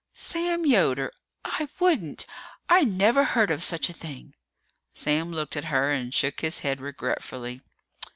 "Sam Yoder! I wouldn't! I never heard of such a thing!" Sam looked at her and shook his head regretfully.